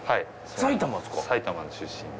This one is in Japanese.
埼玉の出身で。